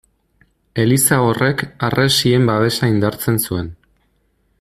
Eliza horrek harresien babesa indartzen zuen.